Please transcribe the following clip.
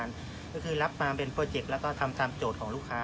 คือถึงรับมาเป็นโปรเจคและก็ทำทามโจทย์ของลูกค้าครับ